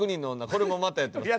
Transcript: これもまたやってます。